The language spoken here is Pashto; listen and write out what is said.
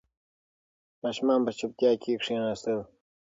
ماشومان په چوپتیا کې کښېناستل.